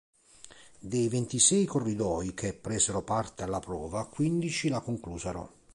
Dei ventisei corridori che presero parte alla prova, quindici la conclusero.